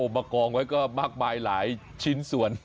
มากองไว้ก็มากมายหลายชิ้นส่วน